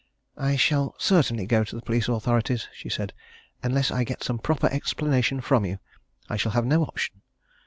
"I shall certainly go to the police authorities," she said, "unless I get some proper explanation from you. I shall have no option.